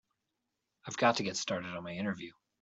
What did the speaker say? I've got to get started on my interview.